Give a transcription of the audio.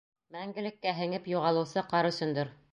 Мәңгелеккә һеңеп юғалыусы ҡар өсөндөр.